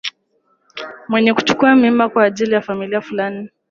Mwenye kuchukua mimba kwa ajili ya familia fulani